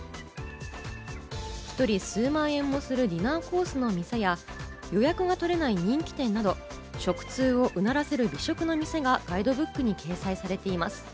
１人、数万円もするディナーコースの店や、予約が取れない人気店など、食通をうならせる美食の店がガイドブックに掲載されています。